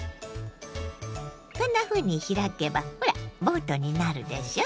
こんなふうに開けばほらボートになるでしょ。